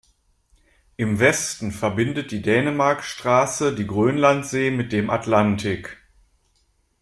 Im Westen verbindet die Dänemarkstraße die Grönlandsee mit dem Atlantik.